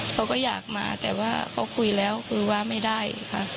เขาก็อยากมาแต่ว่าเขาคุยแล้วคือว่าไม่ได้ค่ะ